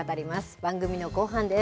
番組の後半です。